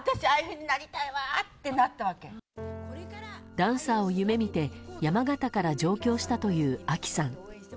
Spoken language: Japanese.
ダンサーを夢見て山形から上京したというあきさん。